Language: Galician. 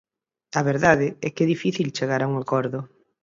A verdade é que é difícil chegar a un acordo.